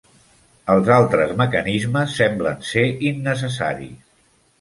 Els altres mecanismes semblen ser innecessaris.